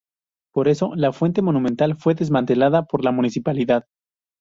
Por eso, la Fuente Monumental fue desmantelada por la Municipalidad.